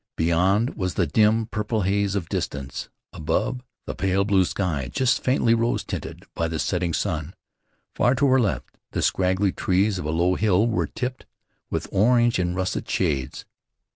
Beyond was the dim, purple haze of distance. Above, the pale, blue sky just faintly rose tinted by the setting sun. Far to her left the scraggly trees of a low hill were tipped with orange and russet shades.